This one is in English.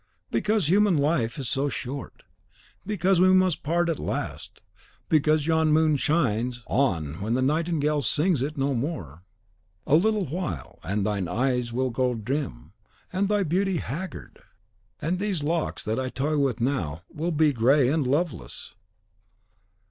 "Because human life is so short; because we must part at last; because yon moon shines on when the nightingale sings to it no more! A little while, and thine eyes will grow dim, and thy beauty haggard, and these locks that I toy with now will be grey and loveless."